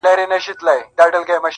د خبرونو وياند يې.